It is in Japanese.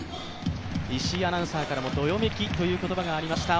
石井アナウンサーからもどよめきという声がありました。